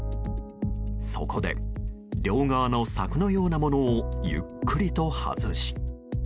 そこで、両側の柵のようなものをゆっくりと外し。